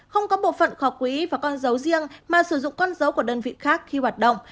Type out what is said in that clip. không có bộ phận kho quý và con dấu riêng mà sử dụng con dấu của đơn vị khác khi hoạt động